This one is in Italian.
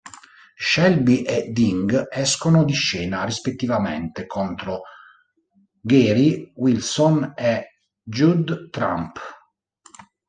Selby e Ding escono di scena rispettivamente contro Gary Wilson e Judd Trump.